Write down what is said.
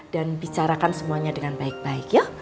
dan bicarakan semuanya dengan baik baik yuk